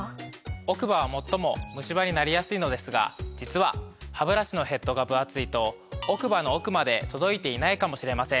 奥歯は最もムシ歯になりやすいのですが実はハブラシのヘッドが分厚いと奥歯の奥まで届いていないかもしれません。